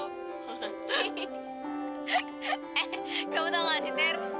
eh kamu tahu gak si ter